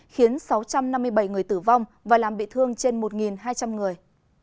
khiến sáu trăm năm mươi bảy người tử vong và làm bị thương trên một hai trăm linh người